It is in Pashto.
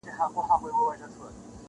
ماته مه راښیه لاري تر ساحل پوری د تللو -